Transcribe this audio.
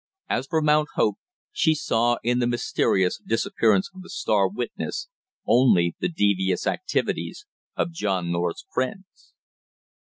As for Mount Hope she saw in the mysterious disappearance of the star witness only the devious activities of John North's friends.